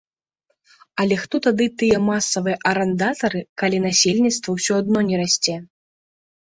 Але хто тады тыя масавыя арандатары, калі насельніцтва ўсё адно не расце.